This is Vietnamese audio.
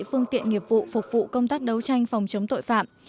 phương tiện nghiệp vụ phục vụ công tác đấu tranh phòng chống tội phạm